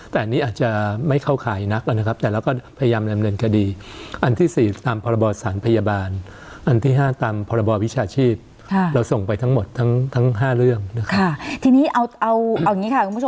แต่อันนี้อาจจะไม่เข้าขายนักนะครับแต่เราก็พยายามแบ่งเรียนคดี